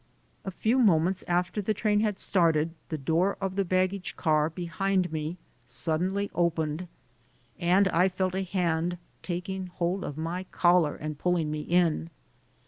A few moments after the train had started, the door of the baggage car behind me suddenly opened and I felt a hand taking hold of my collar and pulling me in.